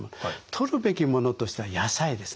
とるべきものとしては野菜ですね。